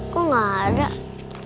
kok gak ada